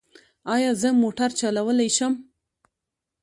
ایا زه موټر چلولی شم؟